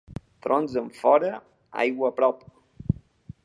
Trons enfora, aigua a prop.